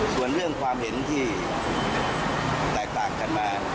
ส่วนเรื่องความเห็นที่แตกต่างกันมา